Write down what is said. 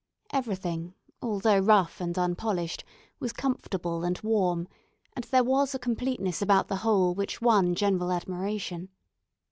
Everything, although rough and unpolished, was comfortable and warm; and there was a completeness about the whole which won general admiration.